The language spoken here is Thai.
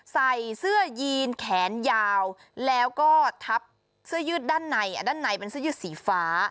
ใส่เสื้อยีนแขนยาวแล้วก็ทับเสื้อยืดด้านในด้านในเป็นเสื้อยืดสีฟ้า